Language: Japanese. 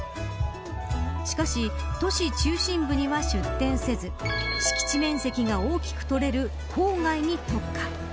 しかし、都市中心部には出店せず敷地面積が大きく取れる郊外に特化。